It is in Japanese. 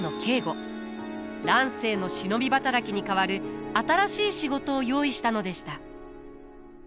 乱世の忍び働きに代わる新しい仕事を用意したのでした。